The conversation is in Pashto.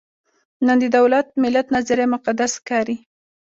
نن د دولت–ملت نظریه مقدس ښکاري.